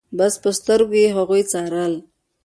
بس په سترګو يې هغوی څارل.